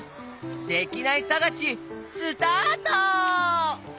できないさがしスタート！